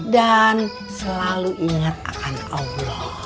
dan selalu ingat akan allah